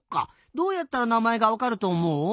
どうやったらなまえがわかるとおもう？